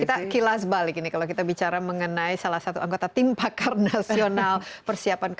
kita kilas balik ini kalau kita bicara mengenai salah satu anggota tim pakar nasional persiapan kpk